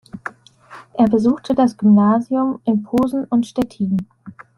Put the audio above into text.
Er besuchte das Gymnasium in Posen und Stettin.